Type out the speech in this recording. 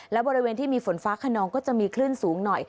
และบริเวณที่มีฝนฟ้าขนองก็จะมีคลื่นสูงหน่อย